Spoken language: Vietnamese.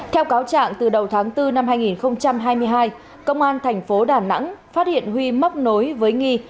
theo cáo trạng từ đầu tháng bốn năm hai nghìn hai mươi hai công an thành phố đà nẵng phát hiện huy móc nối với nghi